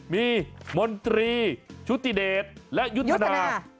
มีมนตรีชุติเดชและยุทธนา